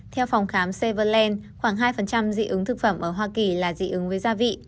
theo phòng khám stevalland khoảng hai dị ứng thực phẩm ở hoa kỳ là dị ứng với gia vị